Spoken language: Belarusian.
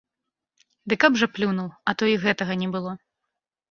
Ды каб жа плюнуў, а то і гэтага не было.